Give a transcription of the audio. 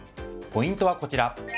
ポイントはこちら。